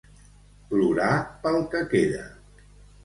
Plorar pel que queda.